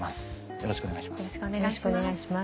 よろしくお願いします。